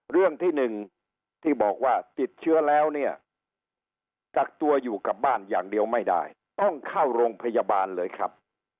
เรื่องที่หนึ่งที่บอกว่าติดเชื้อแล้วเนี่ยกักตัวอยู่กับบ้านอย่างเดียวไม่ได้ต้องเข้าโรงพยาบาลเลยครับ